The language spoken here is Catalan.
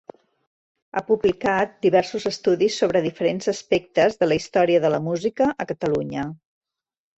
Ha publicat diversos estudis sobre diferents aspectes de la història de la música a Catalunya.